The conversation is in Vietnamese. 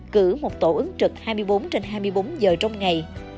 cử một tổ ứng trực hai mươi bốn trên hai mươi bốn giờ trong ngày